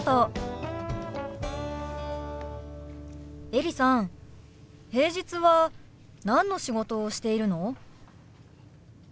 エリさん平日は何の仕事をしているの？